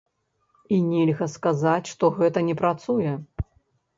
І нельга сказаць, што гэта не працуе.